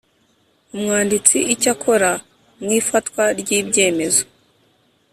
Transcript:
umwanditsi Icyakora mu ifatwa ry ibyemezo